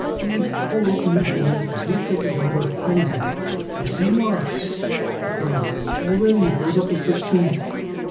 Abe tore open the envelope and looked at the letter hurriedly. "You see, Mawruss," he cried, "already it goes up a sixteenth."